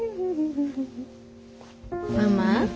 ママ。